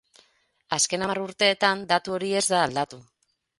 Azken hamar urteetan datu hori ez da aldatu.